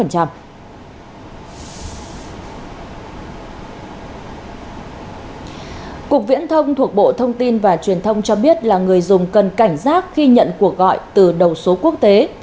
cục viễn thông thuộc bộ thông tin và truyền thông cho biết là người dùng cần cảnh giác khi nhận cuộc gọi từ đầu số quốc tế